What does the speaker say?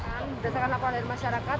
dan berdasarkan laporan